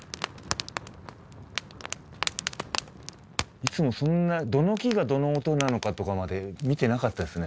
いつもそんなどの木がどの音なのかとかまで見てなかったですね。